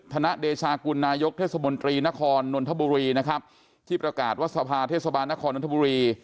ธนเดชากุลนายกเทศมนตรีนครนนทบุรีนะครับที่ประกาศว่าสภาเทศบาลนครนนทบุรี